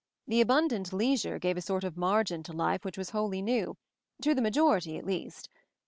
. The abundant leisure gave a sort of margin to life which was wholly new, to the ma joriety at least.